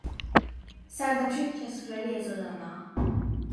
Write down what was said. სარდაფში ჩასასვლელი ეზოდანაა.